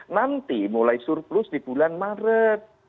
nanti mulai surplus di bulan maret